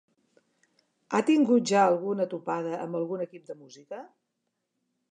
Ha tingut ja alguna topada amb algun equip de música?